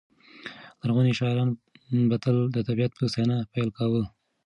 لرغوني شاعران به تل د طبیعت په ستاینه پیل کاوه.